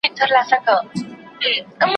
غنم ووېشه پر دواړو جوالونو